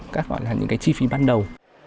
các gọi là những cái chi phí ban đầu